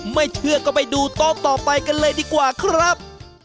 ไม่เชื่อก็ไปดูโต๊ะต่อไปกันเลยดีกว่าครับ